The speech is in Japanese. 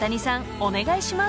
お願いします］